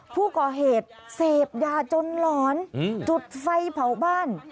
ผู้ก่อเหตุเสพยาจนหลอนจุดไฟเผาบ้าน